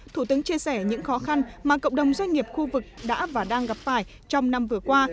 thủ tướng chia sẻ những khó khăn mà cộng đồng doanh nghiệp khu vực đã và đang gặp phải trong năm vừa qua